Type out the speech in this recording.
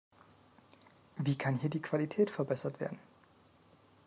Wie kann hier die Qualität verbessert werden?